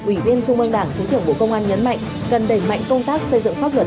ủy viên trung ương đảng thứ trưởng bộ công an nhấn mạnh cần đẩy mạnh công tác xây dựng pháp luật